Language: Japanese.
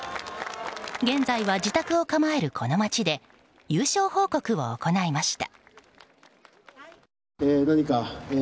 現在は自宅を構えるこの町で優勝報告を行いました。